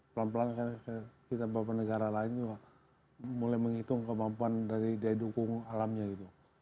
pelan pelan kita beberapa negara lain juga mulai menghitung kemampuan dari daya dukung alamnya gitu